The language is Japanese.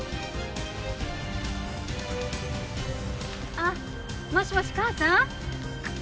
あもしもし母さん？